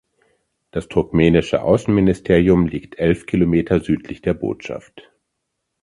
Das turkmenische Außenministerium liegt elf Kilometer südlich der Botschaft.